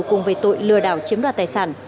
cùng với tội lừa đảo chiếm đoạt tài sản